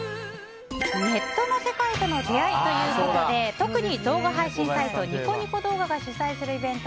ネットの世界との出会いということで特に動画配信サイトニコニコ動画が主催するイベント